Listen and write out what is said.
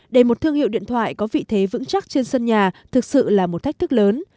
để một thương hiệu điện thoại có vị thế vững chắc trên sân nhà thực sự là một thách thức lớn